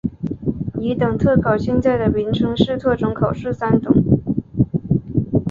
乙等特考现在的名称是特种考试三等。